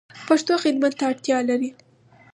پښتو خدمت ته اړتیا لری